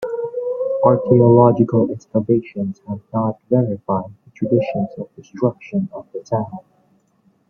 Archaeological excavations have not verified the traditions of destruction of the town.